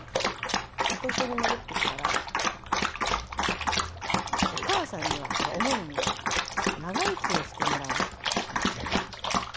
東京に戻ってきたらお母さんにはオモニには長生きをしてもらうって言ったんですよ。